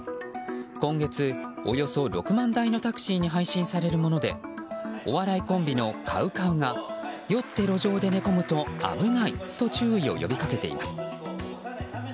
今月およそ６万台のタクシーに配信されるものでお笑いコンビのＣＯＷＣＯＷが酔って路上で寝込むと危ないと注意を呼び掛けています。